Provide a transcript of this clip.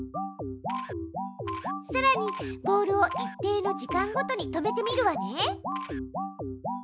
さらにボールを一定の時間ごとに止めてみるわね。